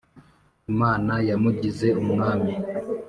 Imana yamugize Umwami